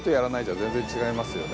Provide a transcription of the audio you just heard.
全然違いますね！